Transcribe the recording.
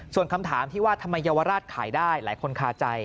ส่วนคำถามที่ว่าทำไมเยาวราชขายได้หลายคนคาใจ